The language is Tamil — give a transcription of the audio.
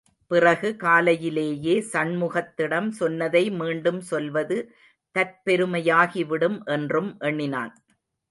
பிறகு காலையிலேயே சண்முகத்திடம் சொன்னதை மீண்டும் சொல்வது தற்பெருமையாகி விடும் என்றும் எண்ணினான்.